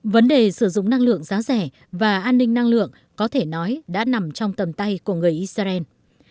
vấn đề sử dụng năng lượng giá rẻ và an ninh năng lượng có thể nói đã nằm trong tầm tay của người israel